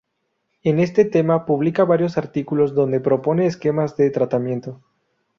En este tema publica varios artículos donde propone esquemas de tratamiento.